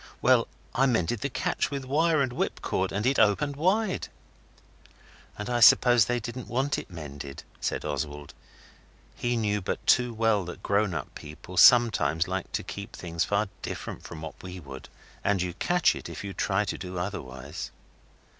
Well, I mended the catch with wire and whip cord and it opened wide.' 'And I suppose they didn't want it mended,' said Oswald. He knew but too well that grown up people sometimes like to keep things far different from what we would, and you catch it if you try to do otherwise.